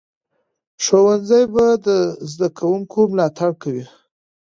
ښوونځی به د زده کوونکو ملاتړ کوي.